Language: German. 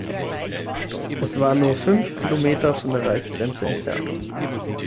Es war nur fünf Kilometer von der Reichsgrenze entfernt.